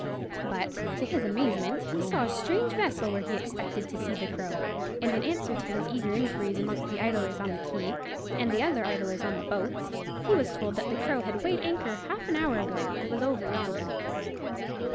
But, to his amazement, he saw a strange vessel where he expected to see the Crow, and in answer to his eager inquiries amongst the idlers on the quay, and the other idlers on the boats, he was told that the Crow had weighed anchor half an hour ago, and was over yonder.